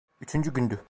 Üçüncü gündü.